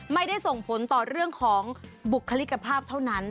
ไม่ได้ส่งผลต่อเรื่องของบุคลิกภาพเท่านั้น